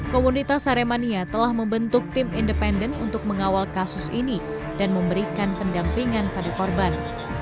komunitas aremania telah membentuk tim independen untuk mengawal kasus ini dan memberikan pendampingan pada korban